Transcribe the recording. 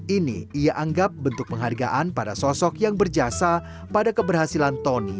ini ia anggap bentuk penghargaan pada sosok yang berjasa pada keberhasilan tony